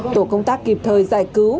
tổ công tác kịp thời giải cứu